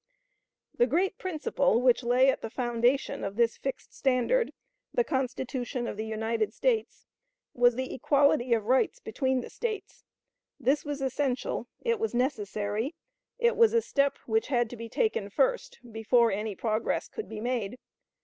The great principle which lay at the foundation of this fixed standard, the Constitution of the United States, was the equality of rights between the States. This was essential; it was necessary; it was a step which had to be taken first, before any progress could be made.